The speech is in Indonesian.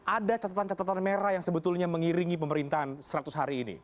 ada catatan catatan merah yang sebetulnya mengiringi pemerintahan seratus hari ini